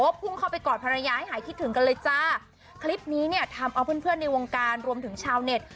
พุ่งเข้าไปกอดภรรยาให้หายคิดถึงกันเลยจ้าคลิปนี้เนี่ยทำเอาเพื่อนเพื่อนในวงการรวมถึงชาวเน็ต